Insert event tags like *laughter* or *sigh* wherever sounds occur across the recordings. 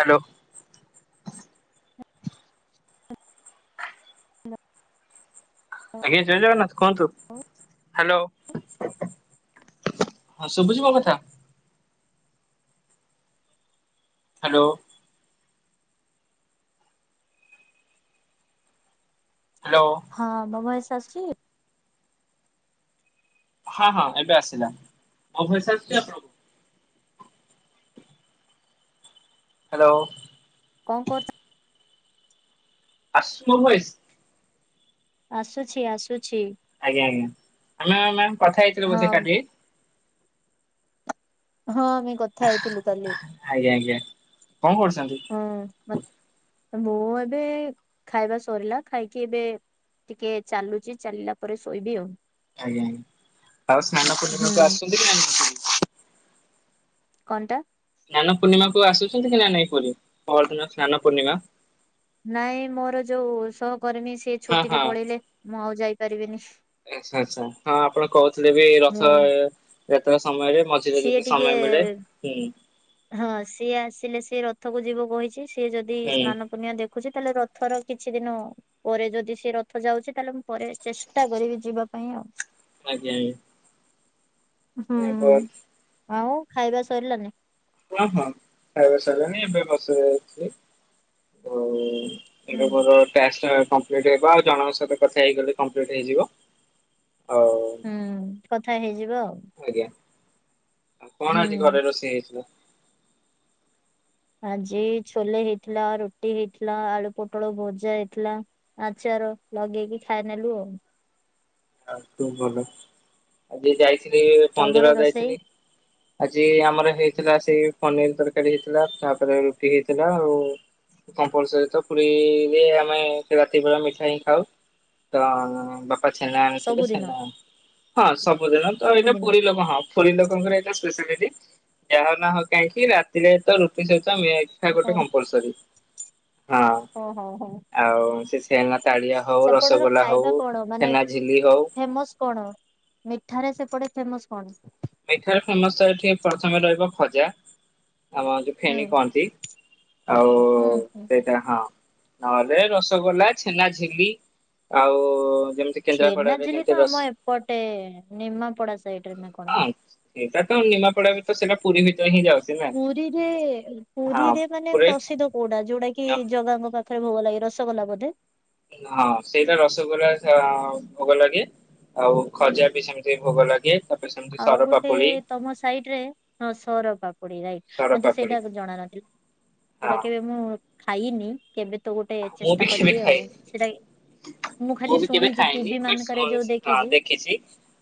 Hello. ଆଜ୍ଞା ଜୟ ଜଗନ୍ନାଥ କୁହନ୍ତୁ ହାଲୋ। ହଁ ଶୁବୁଚି ମୋ କଥା? ହାଲୋ। ହାଲୋ। ହଁ ମୋ ଭଏସ ଆସୁଚି? ହଁ ହଁ ଏବେ ଆସିଲା ମୋ ଭଏସ ଆସୁଚି ଆପଣଙ୍କୁ? ହାଲୋ। କଣ କରୁଚ? ଆସୁଚି ମୋ ଭଏସ? ଆସୁଛି ଆସୁଛି। ଆଜ୍ଞା ଆଜ୍ଞା ଆମେ ମ୍ୟାମ କଥା ହେଇଥିଲେ ହଁ ବୋଧେ କାଲି? ହଁ ଆମେ କଥା ହେଇଥିଲୁ କାଲି ଆଜ୍ଞା ଆଜ୍ଞା କଣ କରୁଛନ୍ତି ହଁ। ମୁଁ ଏବେ ଖାଇବା ସରିଲା ଖାଇକି ଏବେ ଟିକେ ଚାଲୁଚି ଚାଲିଲା ପରେ ଶୋଇବି ଆଉ। ଆଜ୍ଞା ଆଜ୍ଞା ଆଉ ସ୍ନାନ ହୁଁ ପୂର୍ଣ୍ଣିମାକୁ ଆସୁଚନ୍ତି କି ନାଇଁ? କଣ ଣ୍ଟା। ସ୍ନାନ ପୂର୍ଣ୍ଣିମାକୁ ଆସୁଚନ୍ତି କି ନା ନାଇଁ ପୁରୀ ପହଦିନ ସ୍ନାନ ପୂର୍ଣ୍ଣିମା। ନାଇଁ ମୋର ଯୋଉ ସହକର୍ମୀ ସେ ହଁ ଛୁଟିରେ ହଁ ପଳେଇଲେ ମୁଁ ଆଉ ଯାଇପାରିବିନି। ଆଚ୍ଛା ଆଚ୍ଛା ହଁ ଆପଣ କହୁଥିଲେ ବି ହୁଁ ରଥଯାତ୍ରା ସମୟରେ ମ ମଝିରେ ସିଏ ଯଦି ଟିକେ ସମୟ ମିଳେ ହୁଁ। ହଁ ସିଏ ଆସିଲେ ସିଏ ରଥକୁ ଯିବ କହିଚି ସିଏ ଯଦି ହୁଁ ସ୍ନାନ ପୁଣ୍ୟ ଦେଖୁଚି ତାହେଲେ ରଥର କିଛି ଦିନ ପରେ ଯଦି ସେ ରଥ ଯାଉଚି ତାହେଲେ ମୁଁ ପରେ ଚେଷ୍ଟା କରିବି ଯିବା ପାଇଁ ଆଉ। ଆଜ୍ଞା ଆଜ୍ଞା। *inaudible* *unintelligible* ଆଉ ଖାଇବା ସରିଲାନି? ହଁ ହଁ ଖାଇବା ସଇଲାଣି ଏବେ ବସ ରେ ଜାଉଥିଲି ଅ ହୁଁ ଏବେ ମୋର ଟାସ୍କ ଟା କମ୍ପ୍ଲିଟ୍ ହେବ ଆଉ ଜଣଙ୍କ ସହିତ କଥା ହେଇଗଲେ କମ୍ପ୍ଲିଟ୍ ହେଇଯିବ ଆଉ ହୁଁ କଥା ହେଇଯିବ ଆଉ। ଆଜ୍ଞା ଆଉ କଣ ହୁଁ ଆଜି ଘରେ ରୋଷେଇ ହେଇଥିଲା? ଆଜି ଛୋଲେ ହେଇଥିଲା ରୁଟି ହେଇଥିଲା ଆଳୁ ପୋଟଳ ଭଜା ହେଇଥିଲା। ଆଚାର ଲଗେଇକି ଖାଇ ନେଲୁ ଆଉ। ଆଉ ତୁ ଭଲ ଆଜି ଯେ ଯାଇଥିଲି ତମର ମନ୍ଦିର ରୋଷେଇ ଯାଇଥିଲି। ଆଜି ଆମର ହେଇଥିଲା ସେଇ ପନିର୍ ତରକାରୀ ହେଇଥିଲା ତାପରେ ରୁଟି ହେଇଥିଲା ଆଉ। କମ୍ପଲସରୀ ତ ପୁରୀରେ ଆମେ ରାତି ବେଳା ମିଠା ହିଁ ଖାଉ। ତ ବାପା ଛେନା ଆଣିଥିଲେ ସବୁଦିନ ଛେନା ହଁ ସବୁଦିନ ତ ଏଇଟା ସବୁଦିନ? ପୁରୀ ଲୋକ ହଁ। ପୁରୀ ଲୋକଙ୍କର ଏ ତ ସ୍ପେଶାଲିଟି ଯାହା ନା ହଉ କାହିଁକି ରାତିରେ ତ ରୁଟି ସହିତ ମି ଠା ଓହୋ ଗୋଟେ କମ୍ପଲସରୀ ହଁ। ହଁ ହଁ ହଉ। ଆଉ ସେ ଛେନା ତାଳିଆ ହଉ ରସଗୋଲା ହଉ ଖାଇବା କଣ ମାନେ ଛେନାଝିଲି ହଉ। ଫେମସ କଣ ମିଠାରେ ସେପଟେ ଫେମସ କଣ? ମିଠାରେ ଫେମସ ତ ଏଠି ପ୍ରଥମେ ରହିବ ଖଜା ଆମ ଯୋ ହୁଁ ଫେଣି କହନ୍ତି ଆଉ ହୁଁ ହୁଁ ସେ *unintelligible* ହଁ ନହେଲେ ରସଗୋଲା ଛେନାଝିଲି ଆଉ ଯେମତି ଛେନାଝିଲି ତ ଆମ ଏପଟେ ନିମାପଡା ସାଇଡରେ ନା କଣ। ଏଇଟା ତ ନିମାପଡାରେ ତ ସେଟା ପୁରୀ ଭିତରେ ହିଁ ଯା ପୁରୀରେ ପୁରୀରେ ମାନେ ପୁରୀ ପ୍ରସିଦ୍ଧ କୋଉଟା ଯୋଉଟା କି ଜଗାଙ୍କ ପାଖରେ ଭୋଗ ଲାଗେ ରସଗୋଲା ବୋଧେ? ହଁ ସେଇଟା ରସଗୋଲା ସେ ଅଁ ଭୋଗ ଲାଗେ। ଆଉ ଖଜା ବି ସେମିତି ଭୋଗ ଲାଗେ। ତାପରେ ସେମିତି ଆଉ ସର ଗୋଟେ ପାପୁଡି ତମ ସାଇଟ୍ ରେ ହଁ ସର ପାପୁଡି ରାଇଟ୍ ସର ମତେ ପାପୁଡି ସେଇଟା ଜଣାନଥିଲା ସେଇଟା ହଁ। କେବେ ମୁଁ ଖାଇନି କେବେ ତ ଗୋଟେ ମୁଁ ବି ଚେଷ୍ଟା କେବେ କରିବି ଆଉ ଖାଇନି ସେଇଟା ମୁଁ ଖାଲି ବି କେବେ ଶୁଣିଛି ଖାଇନି ଟିଭି ବଟ ମାନଙ୍କରେ ଯୋଉ ଶୁଣୁଛି ହଁ ଦେଖିଛି।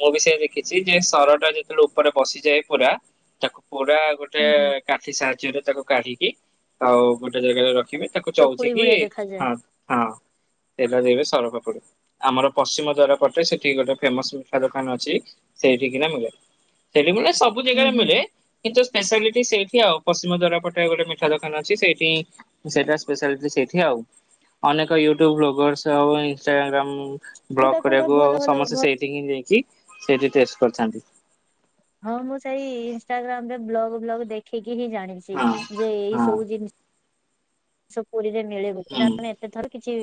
ମୁଁ ବି ସେ ଦେଖିଛି ଯେ ସରଟା ଯେତେବେଳେ ଉପରେ ବସିଯାଏ ପୁରା ତାକୁ ପୁରା ଗୋଟେ ହୁଁ ହୁଁ କାଠି ସାହାଯ୍ୟରେ ତାକୁ କାଢିକି ଆଉ ଗୋଟେ ଜାଗାରେ ରଖିବେ ତାକୁ ଚଉଚି ଚକୁଳି କି ଭଳିଆ ଦେଖାଯାଏ। ହଁ ତେଲ ଦେବେ ସର ପାପୁଡି। ଆମର ପଶ୍ଚିମ ଦ୍ଵାର ପଟେ ସେଠି ଗୋଟେ ଫେମସ ମିଠା ଦୋକାନ ଅଛି ସେଇଠି କିନା ମିଳେ। ସେଠି ମିଳେ ସବୁ ହୁଁ ଜାଗାରେ ହୁଁ ମିଳେ। ହୁଁ କିନ୍ତୁ ସ୍ପେଶାଲିଟି ସେଇଠି ଆଉ ପଶ୍ଚିମ ଦ୍ୱାର ପଟେ ଗୋଟେ ମିଠା ଦୋକାନ ଅଛି ସେଇଠି ସେଇଟା ସ୍ପେଶାଲିଟି ସେଇଠି ଆଉ। ଅନେକ ୟୁଟ୍ୟୁବ ବ୍ଲଗର୍ସ ଆଉ ଇନଷ୍ଟାଗା ଗ୍ରାମ କୋଉଟା ବ୍ଲଗ କୋଉଟା କରିଆକୁ ଭଲ ଆଉ ଭଲ ଭଲ ସମସ୍ତେ ସେଇ ଟିକି ଯାଇଁକି ସେଇଠି ଟେଷ୍ଟ କରଥାନ୍ତି। ହଁ ମୁଁ ସେଇ ଇନଷ୍ଟାଗ୍ରାମ ରେ ବ୍ଲଗ ଫ୍ଲଗ ଦେଖିକି ହିଁ ଜାଣିଛି। ହଁ ଯେ ଏଇ ହଁ ସବୁ ଜିନିଷ ପୁରୀରେ ମିଳେ ହୁଁ। ବୋଲି *inaudible* ଏଥର କିଛି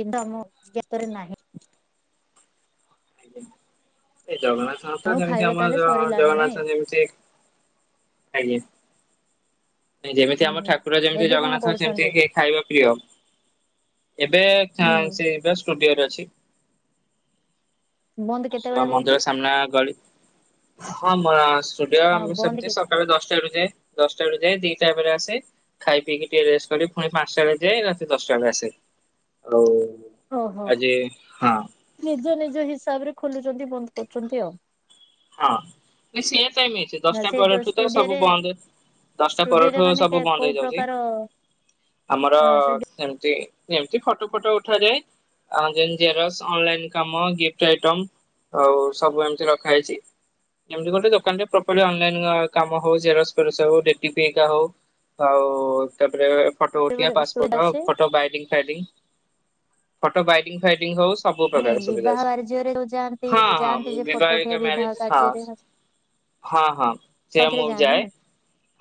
ଜିନିଷ ମୋ ଜ୍ଞାତରେ ନାହିଁ। ଏ ଜଗନ୍ନାଥଙ୍କର ତ ଆଉ ଯେମିତି ଖାଇବା ଆମ ତାହେଲେ ସରିଲାଣି ନାଇଁ ଜ-ଜଗନ୍ନାଥ ଯେମିତି ଆଜ୍ଞା। ଯେମିତି ହୁଁ ଆମ ହୁଁ ଠାକୁର ଯେମିତି ଏବେ କଣ ଜଗନ୍ନାଥ କରୁଛନ୍ତି ସେମତି କି ଖାଇବା ପ୍ରିୟ। ଏବେ ଥା ଉଁ ହୁଁ ସେଇବା ଷ୍ଟୁଡିଓରେ ଅଛି। ବନ୍ଦ ହଁ କେତେବେଳେ ହଉଛି? ମନ୍ଦିର ସାମ୍ନା ଗଳି ହଁ ମୋର ଷ୍ଟୁଡିଓ ହଁ ମୁଁ ବନ୍ଦ ସେମତି କେ ସ କାଳ ଦଶଟା ରୁ ଯାଏ ଦଶଟା ରୁ ଯାଏ ଦିଟା ବେଳେ ଆସେ। ଖାଇ ପିଇକି ଟିକେ ରେଷ୍ଟ କରି ଫୁଣି ପାଞ୍ଚଟା ବେଳେ ଯାଏ ରାତି ଦଶଟା ବେଳେ ଆସେ ଆଉ ଓହୋ ଆଜି ହଁ ନିଜ ନିଜ ହିସାବରେ ଖୋଲୁଚନ୍ତି ବନ୍ଦ କରୁଚନ୍ତି ଆଉ। ହଁ ନାଇଁ ସେମ୍ ଟାଇମ୍ ଅଛି ନା ଦଶଟା ସେ ଯୋଉ ପରଠୁ ତ ସବୁ ଷ୍ଟୁଡିଓରେ ବନ୍ଦ। ଦଶଟା ଷ୍ଟୁଡିଓରେ ପରଠୁ ମାନେ କେ ସବୁ କୋଉ ବନ୍ଦ ହେଇଯାଉଚି ପ୍ରକାର ଆମର ହଁ ସେମତି। ଏମିତି ଫଟୋ ଫଟୋ ଉଠାଯାଏ। ଆଁ ଜେମିତି ଜେରକ୍ସ ଅନଲାଇନ କାମ ଗିଫ୍ଟ ଆଇଟ ଆଉ ସବୁ ଏମତି ରଖାହଇଛି। ଏମିତି ଗୋଟେ ଦୋକାନ ଟେ ପ୍ରପଲି ଅନ୍ ଲାଇନ୍ କାମ ହେଉ ଜେରକ୍ସ ଫେରକ୍ସ ଯୋଉ ଡ଼ିଟିପି ଏକା ହୋଉ। ଆଉ ତାପରେ ଫଟୋ ଉଠେଇବା ଷ୍ଟୁଡିଓରେ ପାପୋର୍ ଅଛି ଫଟ ବାଇଡିଂ ଫାଇଢିଂ ଫଟ ବାଇଡିଂ ଫାଇଢିଂ ହୋଉ ସବୁ ନାଇଁ ପ୍ରକାର ସୁବିଧା ବିବାହ ଅଛି କାର୍ଯ୍ୟରେ ଯୋଉ ଯାଆନ୍ତି ହଁ ହଁ ଯାଆନ୍ତି ମୁଁ ଯେ ଫଟୋ ବିବାହିକ ଉଠେଇବା ବିବାହ ମ୍ୟରେଜ ହ କାର୍ଯ୍ୟରେ ହଁ ହଁ ସେ ସବୁଥିରେ ମୁଁ ବି ଯାଆନ୍ତି ଯାଏ। ନା।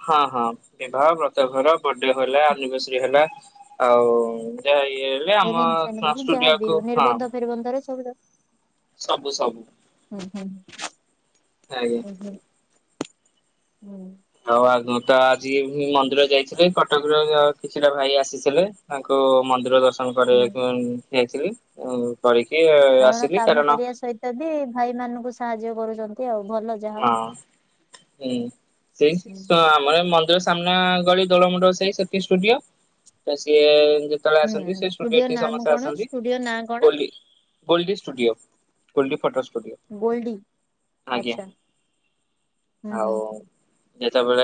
ହଁ ହଁ ବିବାହ ବ୍ରତ ଘର ବଡେ ହେଲା ଆନିଭର୍ଶରି ହେଲା। ଆଉ ଯ ଇଏ ହେଲେ ଆମ ସ୍ଡୂଡିଓ କୁ ହଁ। ଫେର ବନ୍ଦର ସବ *unintelligible* ସବୁ ସବୁ। ହୁଁ ହୁଁ। ଆଜ୍ଞା। ହୁଁ ହୁଁ ହୁଁ।। ଆଉ ଆଗ ତ ଆଜି ମନ୍ଦିର ଯାଇଥିଲେ କଟକରେ କିଛିଟା ଭାଇ ଆସିଥିଲେ। ତାଙ୍କ ମନ୍ଦିର ଦର୍ଶ ହୁଁ କୁ ନେଇଥିଲି କରିକି ଆସିଲି କାରଣ ତେବେ ଭାଇମାନଙ୍କୁ ସାହାଯ୍ୟ କରୁଛନ୍ତି ଆଉ ଭଲ ଯାହା ହଁ ହଉ। ହୁଁ ହୁଁ। ସେଇ ଆମର *unintelligible* ସାମ୍ନା ଗଳି ଦୋଳ ମୁଣ୍ଡ ସାହି ସେଠି ସ୍ଡୂଡିଓ ତ ସିଏ ଯେତେବେଳେ ହୁଁ ଆସନ୍ତି ସେ ଷ୍ଟୁଡିଓ ଠିକ ନାମ ସମସ୍ତେ କଣ ଆସନ୍ତି ଷ୍ଟୁଡିଓ ନାଁ କଣ ଗୋଲଡି ଗୋଲଡି studio. Goldy photo studio Goldy ଆଜ୍ଞା। ଆଚ୍ଛା ହୁଁ ଆଉ ହୁଁ। ଯେତେବେଳେ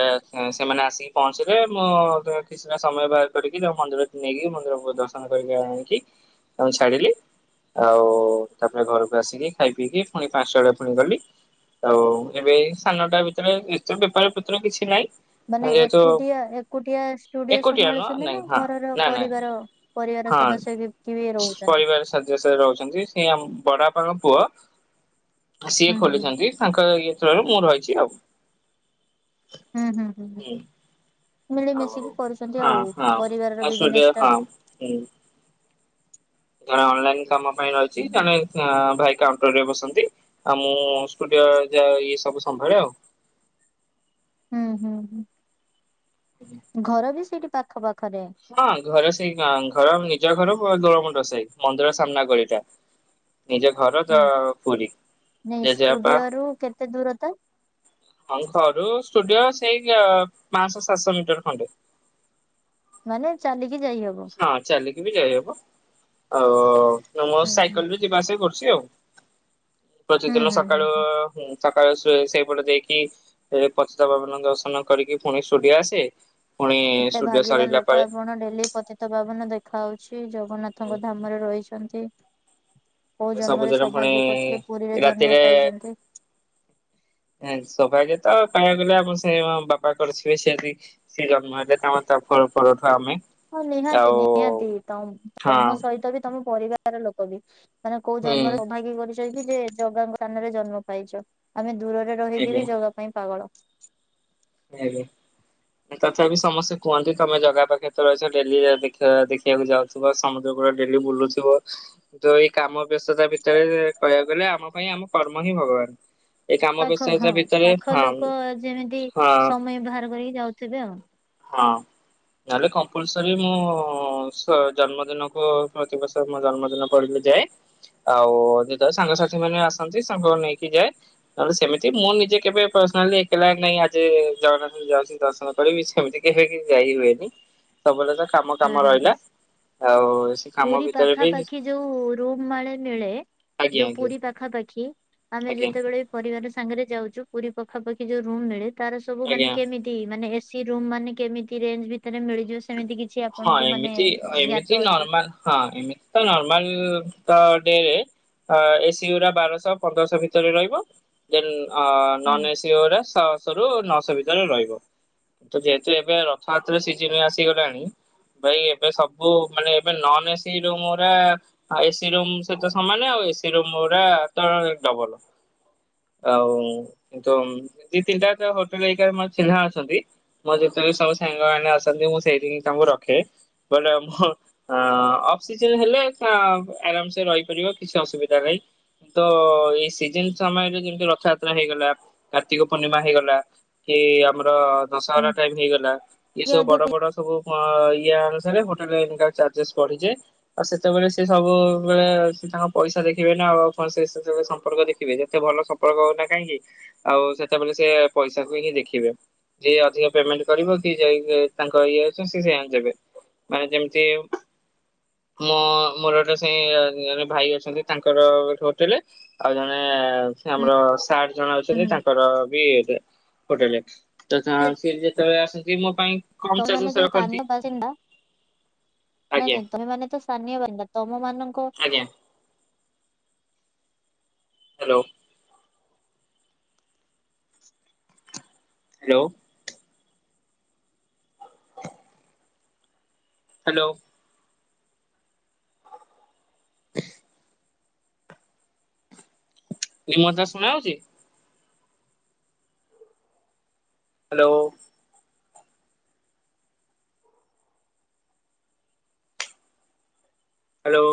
ସେମାନେ ଆସିକି ପହଞ୍ଚିଲେ ମୁଁ କିଛିଟା ସମୟ ବାହାର କରିକି ତାମ ମନ୍ଦିର ନେଇକି ମନ୍ଦିରକୁ ଦର୍ଶନ କରିକି ଆଣିକି ତାଙ୍କୁ ଛାଡିଲି। ଆଉ ତାପରେ ଘରକୁ ଆସିକି ଖାଇ ପିଇକି ପୁଣି ପାଞ୍ଚଟା ବେଳେ ପୁଣି ଗଲି। ଆଉ ଏବେ ସାନଟା ଭିତରେ ଏ ବେପାର ପତ୍ର କିଛି ନାଇଁ ମାନେ ଏକୁଟିଆ ଏକୁଟିଆ ଷ୍ଟୁଡିଓ ଏକୁଟିଆ ନୁହଁ ସମ୍ଭାଳିଛନ୍ତି ନାଇଁ ନା ହଁ ଘରର ନା ନାଇଁ ପରିବାର ପରିବାର ସଦସ୍ୟ କିଏ ବି ରହୁଛନ୍ତି? ସା ସାରେ ରହୁଛନ୍ତି ସେ ବଡ ବାପାଙ୍କ ପୁଅ ସିଏ ହୁଁ ହୁଁ ହୁଁ। ଖୋଲିଛନ୍ତି। ତାଙ୍କ ଇଏ ଥ୍ରୋରୁ ମୁଁ ରହିଛି ଆଉ। ହୁଁ ହୁଁ ହୁଁ ଆଉ ମିଳିମିଶିକି କରୁଛନ୍ତି ହଁ ଆଉ ହଁ ପରିବାରର ଆଉ ସୂର୍ଯ୍ୟ ବିଜନେସ ଟା। ହଁ ହୁଁ। ଜଣେ ଅନଲାଇନ କାମ ପାଇଁ ରହିଛି ଜଣେ ହୁଁ ହ ଭାଇ କାଉଣ୍ଟରରେ ବସନ୍ତି ଆଉ ମୁଁ ଷ୍ଟୁଡିଓ ଯ ଇଏ ସବୁ ସମ୍ଭାଳେ ଆଉ। ହୁଁ ହୁଁ ହୁଁ। ହୁଁ *unintelligible* ଘର ବି ସେଇଠି ପାଖ ପାଖରେ। ହଁ ଘରେ ସେଇ ଘର ନିଜ ଘର ଦୋଳମଣ୍ଡ ସାହି ମନ୍ଦିର ସାମ୍ନା ଗଳିଟା। ନିଜ ଘର ହୁଁ ତ ପୁରୀ ନାଇଁ ଜେଜେବାପା ଷ୍ଟୁଡିଓ ରୁ କେତେ ଦୂରତା? ହଁ ଘରୁ ଷ୍ଟୁଡିଓ ସେଇ ପାଞ୍ଚଶହ ସାତଶହ ମିଟର ଖଣ୍ଡେ। ମାନେ ଚାଲିକି ଯାଇ ହବ? ହଁ ଚାଲିକି ବି ଯାଇହବ ଆଉ ମୋ ହୁଁ ହୁଁ। ସାଇକେଲ ବି ଯିବାଆସିବା କରୁଛି ଆଉ। ହୁଁ ପ୍ରତିଦିନ ହୁଁ ହୁଁ ସକାଳୁ ହୁଁ ସକାଳ ସେଇପଟ ଦେଇକି ପତିତ ପାବନଙ୍କ ଦର୍ଶନ କରିକି ପୁଣି ଷ୍ଟୁଡିଓ ଆସେ। ପୁଣି କେତେ ଷ୍ଟୁଡିଓ ଭାଗ୍ୟବାନ ସରିଲା ଲୋକ ପରେ ଆପଣ ଡେଲି ପତିତ ପାବନ ଦେଖାାଯାଉଛି ହୁଁ, ଜଗନ୍ନାଥଙ୍କ ଧାମରେ ରହିଛନ୍ତି। କୋଉ ଜନ୍ମରେ ସବୁଜରେ ପୁଣି ସୌଭାଗ୍ୟ କରିଥିଲେ ପୁରୀରେ ଜନ୍ମ ରାତିରେ ପାଇଛନ୍ତି। ସୌଭାଗ୍ୟତ କହିବାକୁଗଲେ ବାକୁ ଗଲେ ଆପଣ ସେଇ ସେ ଜନ୍ମ ହେଲେମ ତାପ ଫ ଉଠୁ ଆମେ *unintelligible* ହଁ ନିହାତି ଆଉ ନିହାତି ତ ହଁ ତମ ସହିତ ବି ତମ ପରିବାର ଲୋକ ବି। ମାନେ କୋଉ ହୁଁ ଜନ୍ମରେ ସ୍ବଭାଗ୍ୟ କରିଛନ୍ତି କି ଯେ ଜଗା ସ୍ଥାନରେ ଜନ୍ମ ପାଇଛ। ଆମେ ଦୂରରେ ରହିକି ଆଜ୍ଞା ବି ଜଗା ପାଇଁ ପାଗଳ। *unintelligible* ତଥାପି ସମସ୍ତେ କୁହନ୍ତି ତମେ ଜଗା ପାଖରେ ତ ରହିଛ ଡେଲି ଦେଖିବାକୁ ଯାଉଛ। ତୁ ବା ସମୁଦ୍ର କୁଳରେ ଡେଲି ବୁଲୁଥିବ। ତ ଏଇ କାମ ବ୍ୟସ୍ତତା ଭିତରେ କହିବାକୁ ଗଲେ ଆମ ପାଇଁ ଆମ କର୍ମ ହିଁ ଭଗବାନ। ଏଇ କାମ ପାଖ ବ୍ୟସ୍ତତା ହଁ ଭିତରେ ପାଖ ହଁ ଲୋକ ଯେମିତି ହଁ ସମୟ ବାହାର କରିକି ଯାଉଥିବେ ଆଉ। ହଁ। ନହେଲେ କମ୍ପଲସରି ମୁଁ ସ ଜନ୍ମଦିନକୁ ପ୍ରତିବର୍ଷ ମୋ ଜନ୍ମଦିନ। ପଡିଲେ ଯାଏ ଆଉ ଯେତେବେଳେ ସାଙ୍ଗସାଥି ମାନେ ଆସନ୍ତି ସାଙ୍ଗ ନେଇକି ଯାଏ। ନହେଲେ ସେମିତି ମୁଁ ନିଜେ କେବେ ପର୍ସନାଲି ଏକଲା ନାଇଁ ଆଜି ଜଗନ୍ନାଥ ଯାଉଛି ଆଜି ଦର୍ଶନ କରିବି ସେ। ସେମିତି କେବେ କି ଯାଇ ହୁଏନି ସବୁବେଳେ ତ କାମ ହୁଁ କାମ ହୁଁ ହୁଁ ରହିଲା। ଆଉ ସେ କାମ ପୁରୀ ଭିତରେ ପାଖା ବି ପାଖି ଯୋଉ ରୁମ୍ ମାଳେ ମିଳେ। ଆଜ୍ଞା ଯୋଉ ଆଜ୍ଞା। ପୁରୀ ପାଖାପାଖି ଆମେ ଆଜ୍ଞା ଯେତେବେଳେ। ପରିବାର ସାଙ୍ଗରେ ଯାଉଛୁ ପୁରୀ ପାଖାପାଖି ଯୋଉ ରୁମ୍ ମିଳେ ତାର ସବୁ ଆଜ୍ଞା ମାନେ କେମିତି। ମାନେ ଏସି ରୁମ୍ ମାନେ କେମିତି ରେଞ୍ଜ ଭିତରେ ମିଳିଯିବ ସେମିତି କିଛି। ହଁ ଆପଣଙ୍କୁ ମାନେ ଏମିତି ଜ୍ଞାତ ଏମିତି ଅଛି? ନର୍ମାଲ ହଁ ଏମିତି। ନର୍ମାଲ ତ ଅଟେ। ଅ ଏସିଗୁରା ବାରଶହ ପନ୍ଦରଶହ ଭିତରେ ରହିବ ଦେନ୍ ଆଁ ହୁଁ। ନନ୍ଏସି। ସେ ଗୁଡା ଛଅଶହ ରୁ ନଅଶହ ଭିତରେ ରହିବ। ତ ଯେହେତୁ ଏବେ ରଥଯାତ୍ରରେ ସିଜିନ୍ ଆସିଗଲାଣି। ଭାଇ ଏବେ ସବୁ ମାନେ ଏବେ ନନ୍ଏସି ରୁମ୍ ଗୁରା। ଆଉ ଏସିରୁମ୍ ସହିତ ସମାନେ ଆଉ ଏସି ରୁମ ଗୁରା ତ ଡବଲ୍। ଆଉ ତ ଦିଇ ତିନିଟା ହୋଟେଲ ଘରିକା ମୋର ଚିହ୍ନା ଅଛନ୍ତି। ମୋର ଯେତେବେଳେ ସବୁ ସାଙ୍ଗମାନେ ଆସନ୍ତି ମୁଁ ସେଇ ଠି ତାଙ୍କୁ ରଖେ ବଟ୍ ମୁଁ। ଅ ଅଫ୍ ସିଜିନ୍ ହେଲେ ଆରାମସେ ରହିପାରିବ କିଛି ଅସୁବିଧା ନାହିଁ। ତ ଏଇ ସିଜନ୍ ସମୟରେ ଯେମିତି ରଥଯାତ୍ରା ହେଇଗଲା କାର୍ତ୍ତିକ ପୂର୍ଣ୍ଣିମା ହେଇଗଲା। କି ଆମର ହୁଁ ଦଶହରା ଟାଇମ୍ ହେଇଗଲା ଏ କିଏ ସବୁ ଅଧିକ ବଡ ବଡ ସବୁ। ତୁମ ୟା ଅନୁସାରେ ହୋଟେଲରେ ତା ଚାର୍ଜେସ୍ ବଢିଯାଏ। ଆଉ ସେତେବେଳେ ସେ ସବୁବେଳେ ତାଙ୍କ ପଇସା ଦେଖିବେ ନା ଆଉ ସେ ସେତେବେଳେ ସମ୍ପର୍କ ଦେଖିବେ ଯେତେ ଭଲ। ସମ୍ପର୍କ ହଉନା କାହିଁକି ଆଉ ସେତେବେଳେ ସେ ପଇସାକୁ ହିଁ ଦେଖିବେ। ଯିଏ ଅଧିକ ପେମେଣ୍ଟ କରିବ କି ଯାଇ ତାଙ୍କ ଇଏ। ସେ ସିଏ ଆଣିଦେବେ ମାନେ ଯେମିତି। ମୋ ମୋର ଗୋଟେ ସେ ଜଣେ ଭାଇ ଅଛନ୍ତି ତାଙ୍କର ହୋଟେଲ। ଆଉ ଜଣେ ସେ କହି ଆମର ସାର୍ ଜଣେ ହୁଁ ଅଛନ୍ତି ହୁଁ ତାଙ୍କର ବି ହୋଟେଲ। ତ ତାଙ୍କର ସିଏ ଯେତେବେଳେ ଆସନ୍ତି ମୋ ପାଇଁ। କମ ତା ମାନେ ଚାର୍ଜେସ୍ ଯୋଉ। ରଖନ୍ତି ସ୍ଥାନୀୟ ବାସିନ୍ଦା ନାଇଁ ଆଜ୍ଞା ନାଇଁ ତମେ ମାନେ ତ ସ୍ଥାନୀୟ ବାସିନ୍ଦା ତମ ମାନଙ୍କ। ଆଜ୍ଞା ହ୍ୟାଲୋ। ହ୍ୟାଲୋ। ହ୍ୟାଲୋ। *unintelligible* ନି ମୋ କଥା ଶୁଣା ହାଉଛି। ହ୍ୟାଲୋ। ହ୍ୟାଲୋ।